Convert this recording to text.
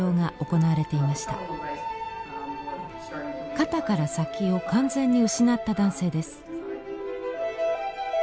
肩から先を完全に失った男性です。